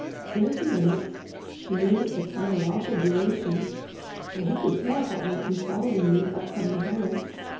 In a few minutes, to me a time of awful duration for who could tell what might be following me up from the hollow?